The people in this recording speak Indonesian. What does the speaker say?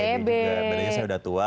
bener bener saya udah tua